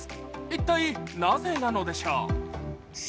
一体なぜなのでしょう？